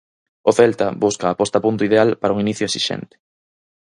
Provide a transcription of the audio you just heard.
O Celta busca a posta a punto ideal para un inicio esixente.